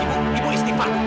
ibu ibu istighfar